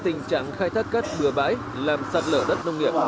tình trạng khai thác cát bừa bãi làm sạt lở đất nông nghiệp